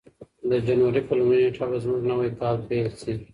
د جنوري په لومړۍ نېټه به زموږ نوی کال پیل شي.